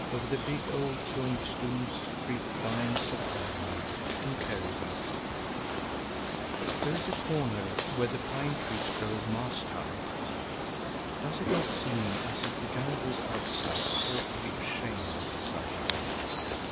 Over the big old tombstones creep vines of ivy and periwinkle. There is a corner where the pine trees grow mast high. Does it not seem as if the young wood outside ought to be ashamed at the sight of them?